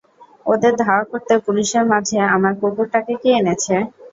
ওদের ধাওয়া করতে পুলিশের মাঝে আমার কুকুরটাকে কে এনেছে?